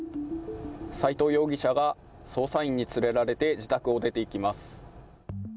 斉藤容疑者が捜査員に連れられて自宅を出て行きます。